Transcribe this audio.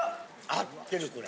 合ってるこれ。